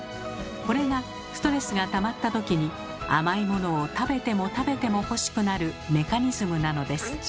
これがストレスがたまったときに甘いものを食べても食べても欲しくなるメカニズムなのです。